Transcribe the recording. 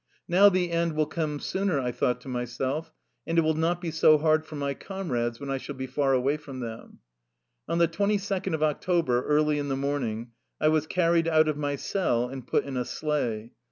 "Now the end will come sooner/' I thought to myself. " And it will not be so hard for my comrades when I shall be far away from them.'' On the 22 d of October, early in the morning, I was carried out of my cell and put in a sleigh.